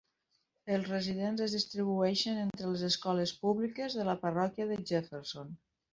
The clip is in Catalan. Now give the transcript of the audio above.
Els residents es distribueixen entre les escoles públiques de la parròquia de Jefferson.